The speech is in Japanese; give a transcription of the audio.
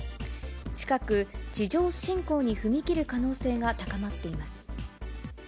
近く地上侵攻に踏み切る可能性が高まっています。